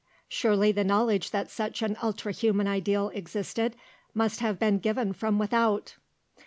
"Surely the knowledge that such an ultra human ideal existed must have been given from without."